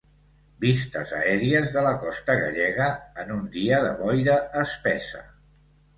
Vistes aèries de la costa gallega en un dia de boira espessa.